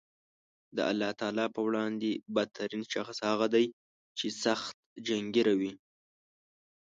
د الله تعالی په وړاندې بد ترین شخص هغه دی چې سخت جنګېره وي